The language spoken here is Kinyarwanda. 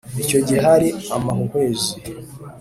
icyo gihe hari amahuhwezi